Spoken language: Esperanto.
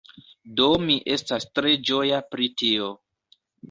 Do mi estas tre ĝoja pri tio.